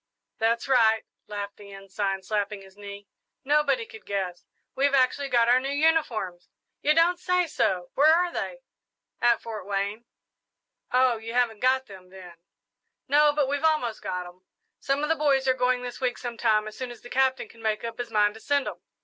"That's right," laughed the Ensign, slapping his knee; "nobody could guess. We've actually got our new uniforms!" "You don't say so! Where are they?" "At Fort Wayne." "Oh, you haven't got them, then?" "No, but we've almost got 'em. Some of the boys are going this week sometime, as soon as the Captain can make up his mind to send 'em.